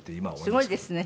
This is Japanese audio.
すごいですね。